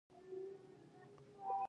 د ازبکانو سیمې په شمال کې دي